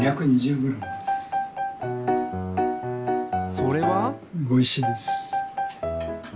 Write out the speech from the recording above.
それは？ごいしです。